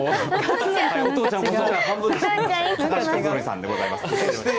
お父ちゃん、高橋克典さんでございます。